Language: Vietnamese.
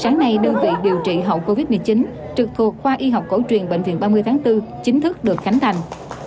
sáng nay đơn vị điều trị hậu covid một mươi chín trực thuộc khoa y học cổ truyền bệnh viện ba mươi tháng bốn chính thức được khánh thành